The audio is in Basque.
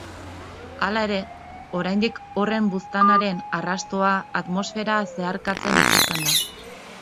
Hala ere, oraindik horren buztanaren arrastoa atmosfera zeharkatzen ikusten da.